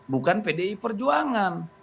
bukan pdi perjuangan